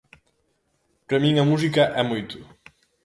Para min a música é moito.